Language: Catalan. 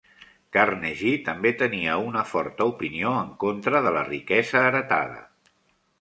Carnegie També tenia una forta opinió en contra de la riquesa heretada.